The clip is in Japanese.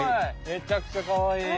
めちゃくちゃかわいい。